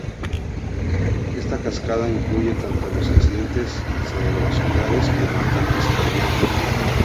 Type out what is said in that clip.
Esta cascada incluye tanto los accidentes cerebrovasculares como ataques cardíacos.